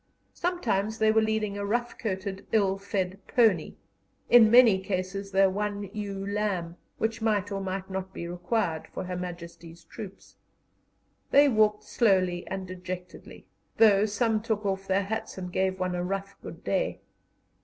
Sometimes they were leading a rough coated, ill fed pony, in many cases their one ewe lamb, which might or might not be required for Her Majesty's troops. They walked slowly and dejectedly, though some took off their hats and gave one a rough "Good day."